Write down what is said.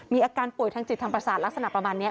มีอาการป่วยทางจิตทางประสาทลักษณะประมาณนี้